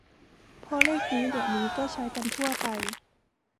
เพราะเลขนี้เดี๋ยวนี้ก็ใช้กันทั่วไป